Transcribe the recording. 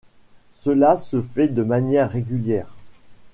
Cela se fait de manière régulière.